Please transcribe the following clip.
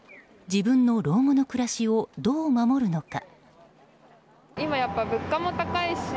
自分の老後の暮らしをどう守るのか。